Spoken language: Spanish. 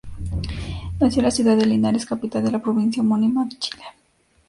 Nació en la ciudad de Linares, capital de la provincia homónima, Chile.